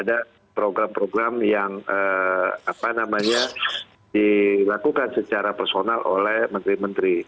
ada program program yang dilakukan secara personal oleh menteri menteri